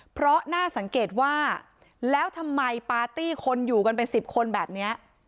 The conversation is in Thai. เพราะน่าสังเกตว่าแล้วทำไมปาร์ตี้คนอยู่กันเป็น๑๐คนแบบนี้